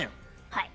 はい。